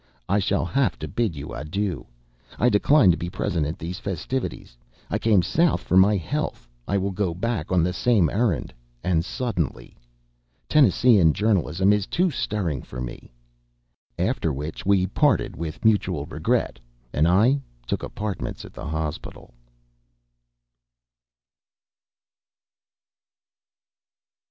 I shall have to bid you adieu. I decline to be present at these festivities. I came South for my health, I will go back on the same errand, and suddenly. Tennesseean journalism is too stirring for me." After which we parted with mutual regret, and I took apartments at the hospital.